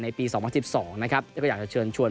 ปี๒๐๑๒นะครับก็อยากจะเชิญชวน